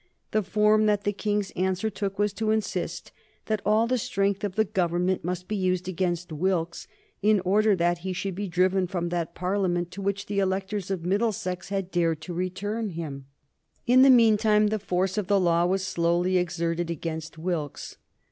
The form that the King's answer took was to insist that all the strength of the Government must be used against Wilkes in order that he should be driven from that Parliament to which the electors of Middlesex had dared to return him. [Sidenote: 1768 Wilkes in prison] In the mean time the force of the law was slowly exerted against Wilkes.